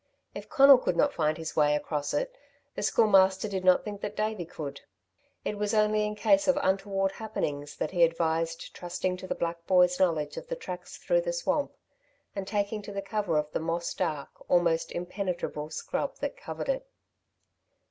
If Conal could not find his way across it, the Schoolmaster did not think that Davey could. It was only in case of untoward happenings that he advised trusting to the black boy's knowledge of the tracks through the swamp, and taking to the cover of the moss dark, almost impenetrable, scrub that covered it.